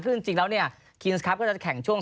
ถ้าขึ้นจริงแล้วคิงส์ครับก็จะแข่งช่วง